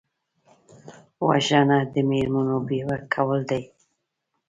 وژنه د مېرمنو بیوه کول دي